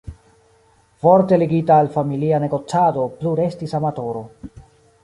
Forte ligita al familia negocado plu restis amatoro.